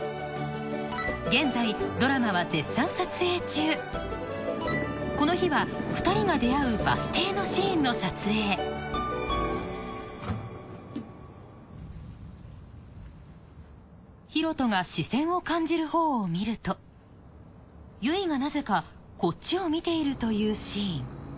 現在ドラマはこの日は２人が出会うバス停のシーンの撮影広翔が視線を感じる方を見ると結がなぜかこっちを見ているというシーン